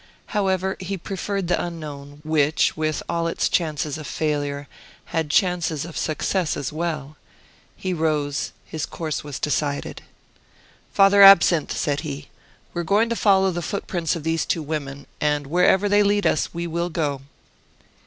However, he preferred the unknown, which, with all its chances of failure, had chances of success as well. He rose, his course was decided. "Father Absinthe," said he, "we are going to follow the footprints of these two women, and wherever they lead us we will go."